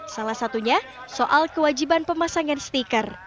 salah satunya soal kewajiban pemasangan stiker